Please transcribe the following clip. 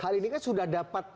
hari ini kan sudah dapat